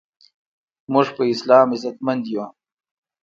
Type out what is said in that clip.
مونږ په اسلام عزتمند یو